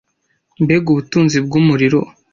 mbega ubutunzi bw'umuriro